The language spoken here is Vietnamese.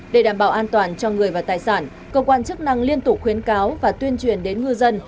để đảm bảo an toàn cho người và tài sản cơ quan chức năng liên tục khuyến cáo và tuyên truyền đến ngư dân